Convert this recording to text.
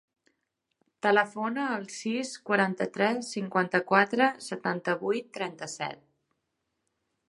Telefona al sis, quaranta-tres, cinquanta-quatre, setanta-vuit, trenta-set.